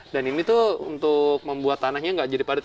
dan ini tuh untuk membuat tanahnya nggak jadi padat